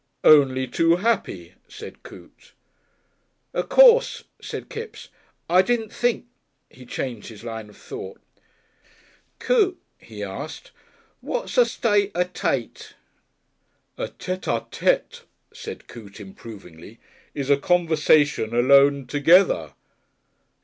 "Only too happy," said Coote. "Of course," said Kipps, "I didn't think " He changed his line of thought. "Coote," he asked, "wot's a 'state eh tate'?" "A 'tate ah tay'!" said Coote, improvingly, "is a conversation alone together."